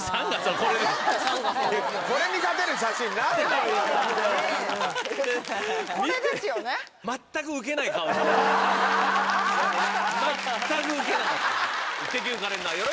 これに勝てる写真、ないだろ。